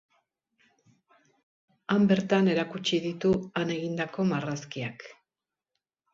Han bertan erakutsi ditu han egindako marrazkiak.